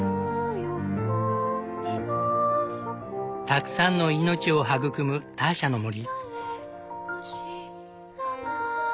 たくさんの命を育むターシャの森。